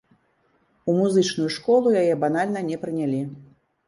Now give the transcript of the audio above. У музычную школу яе банальна не прынялі.